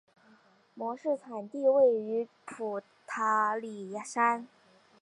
模式产地位于普塔里山。